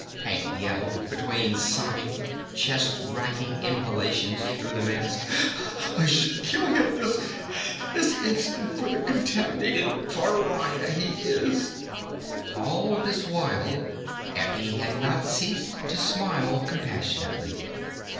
Hank yelled, between sobbing, chest racking inhalations through the mask. "I should kill him this instant for the contaminated pariah he is!" All this while Effie had not ceased to smile compassionately.